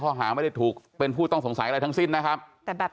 หาไม่ได้ถูกเป็นผู้ต้องสงสัยอะไรทั้งสิ้นนะครับแต่แบบ